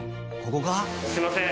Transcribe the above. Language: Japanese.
すいません。